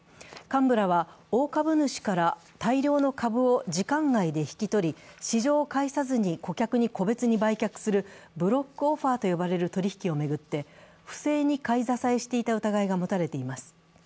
幹部らは、大株主から大量の株を時間外で引き取り、市場を介さずに顧客に個別に売却するブロックオファーと呼ばれる取引を巡って不正に買い支えしていた疑いが持たれています。